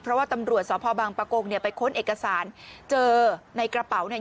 เพราะว่าตำรวจสพบังปะโกงเนี่ยไปค้นเอกสารเจอในกระเป๋าเนี่ย